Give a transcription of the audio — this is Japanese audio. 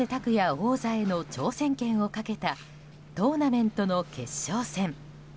王座への挑戦権をかけたトーナメントの決勝戦。